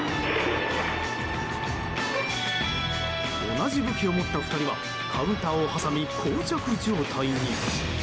同じ武器を持った２人はカウンターを挟み膠着状態に。